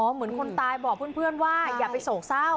เหมือนคนตายบอกเพื่อนว่าอย่าไปโศกเศร้า